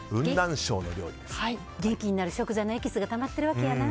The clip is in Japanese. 元気になる食材のエキスがたまってるわけやな。